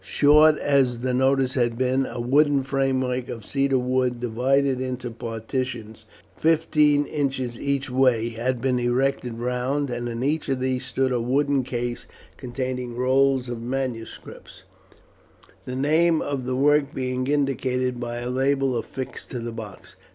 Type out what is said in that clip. Short as the notice had been, a wooden framework of cedar wood, divided into partitions fifteen inches each way, had been erected round, and in each of these stood a wooden case containing rolls of manuscripts, the name of the work being indicated by a label affixed to the box.